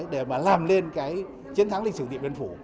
để mà làm lên cái chiến thắng lịch sử điện biên phủ